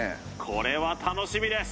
これは楽しみです